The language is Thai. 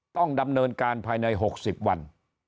ต้องดำเนินการภายใน๖๐วัน